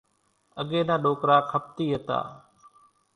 اڳيَ نا ڏوڪرا کپتِي هتا۔